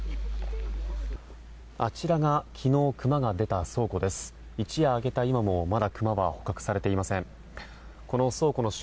あちらが昨日クマが出た倉庫です。